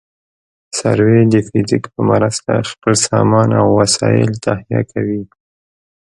سروې د فزیک په مرسته خپل سامان او وسایل تهیه کوي